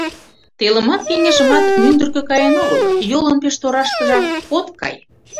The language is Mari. Телымат, кеҥежымат мӱндыркӧ каен огыл, йолын пеш торашкыжак от кай!